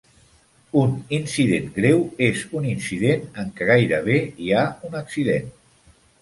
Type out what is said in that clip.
Un "incident greu" és un incident en què gairebé hi ha un accident.